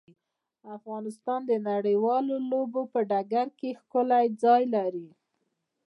افغانستان د نړیوالو لوبو په ډګر کې ښکلی ځای لري.